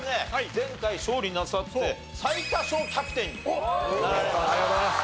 前回勝利なさって最多勝キャプテンになられました。